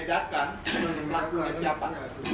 dan kita membedakan pelakunya siapa